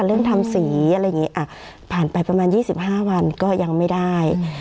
เรื่องทำสีอะไรอย่างนี้ผ่านไปประมาณ๒๕วันก็ยังไม่ได้